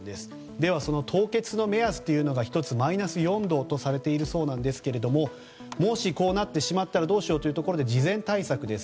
では、その凍結の目安というのが１つ、マイナス４度とされているそうですがもしこうなってしまったらどうしようということで事前対策です。